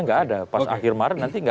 enggak ada pas akhir maret nanti enggak